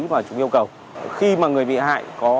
mà chúng yêu cầu khi mà người bị hại